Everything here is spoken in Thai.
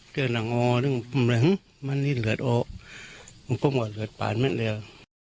เกือบหลังออมันนี่เหลือออมันก็เหลือผ่านแม่งเลย